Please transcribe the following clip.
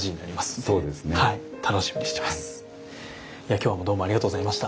今日もどうもありがとうございました。